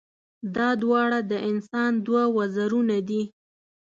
دا دواړه د انسان دوه وزرونه دي.